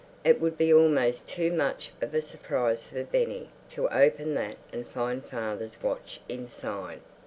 _ It would be almost too much of a surprise for Benny to open that and find father's watch inside.